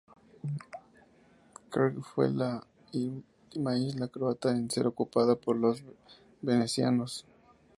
Krk fue la última isla croata en ser ocupada por los venecianos.